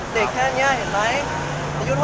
เด็กแค่นี้อายุเท่าไหร่